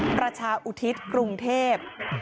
ประชาอุทิศกรุงเทพ